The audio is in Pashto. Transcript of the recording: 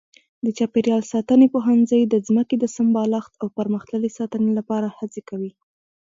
د چاپېریال ساتنې پوهنځی د ځمکې د سمبالښت او پرمختللې ساتنې لپاره هڅې کوي.